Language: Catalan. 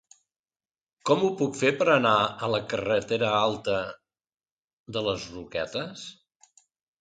Com ho puc fer per anar a la carretera Alta de les Roquetes?